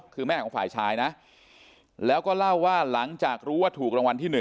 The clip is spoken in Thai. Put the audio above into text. คือแม่ของฝ่ายชายนะแล้วก็เล่าว่าหลังจากรู้ว่าถูกรางวัลที่๑